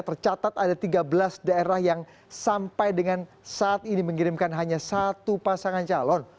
tercatat ada tiga belas daerah yang sampai dengan saat ini mengirimkan hanya satu pasangan calon